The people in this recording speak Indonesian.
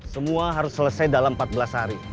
semua harus selesai dalam empat belas hari